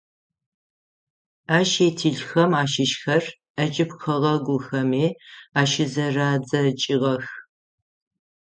Ащ итхылъхэм ащыщхэр ӏэкӏыб хэгъэгухэми ащызэрадзэкӏыгъэх.